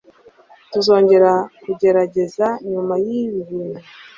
Tuzongera kugerageza nyuma yibi bintu.